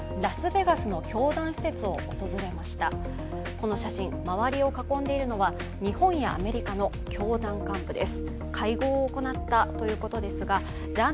この写真、周りを囲んでいるのは、日本やアメリカの教団幹部です。